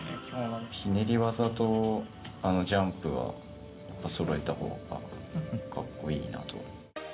ひねり技とジャンプはそろえたほうがかっこいいなと。